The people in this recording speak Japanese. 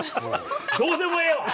どうでもええわ！